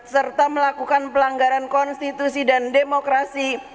serta melakukan pelanggaran konstitusi dan demokrasi